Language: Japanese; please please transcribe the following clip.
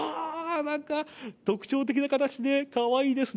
特徴的な形でかわいいですね。